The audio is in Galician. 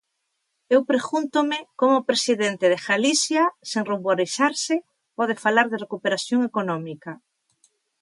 Eu pregúntome como o presidente de Galicia, sen ruborizarse, pode falar de recuperación económica.